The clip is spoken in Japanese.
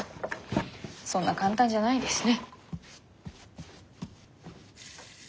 そんな簡単じゃないですね。